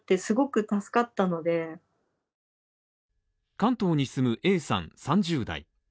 関東に住むＡさん３０代。